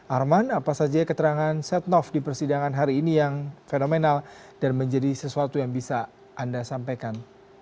arman apa saja keterangan setnov di persidangan hari ini yang fenomenal dan menjadi sesuatu yang bisa anda sampaikan